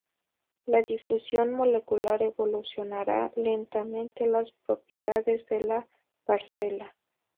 La difusión molecular evolucionará lentamente las propiedades de la parcela.